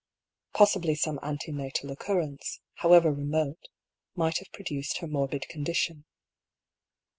Possibly some ante natal occurrence, however remote, might have produced her morbid condition.